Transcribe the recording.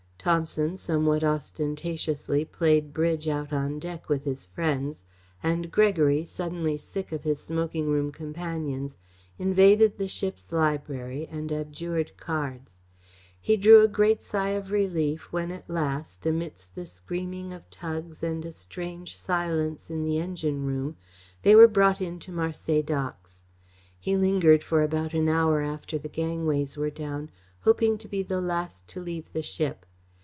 Thomson somewhat ostentatiously played bridge out on deck with his friends, and Gregory, suddenly sick of his smoking room companions, invaded the ship's library and abjured cards. He drew a great sigh of relief when at last, amidst the screaming of tugs and a strange silence in the engine room, they were brought in to Marseilles docks. He lingered about for an hour after the gangways were down, hoping to be the last to leave the ship.